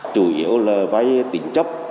chủ yếu là vay tỉnh chấp